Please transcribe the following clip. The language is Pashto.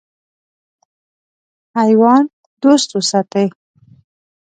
حیوان دوست وساتئ.